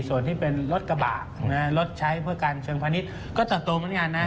ส่วนที่เป็นรถกระบะรถใช้เพื่อการเชิงพาณิชย์ก็เติบโตเหมือนกันนะ